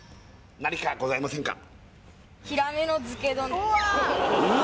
何かございませんか？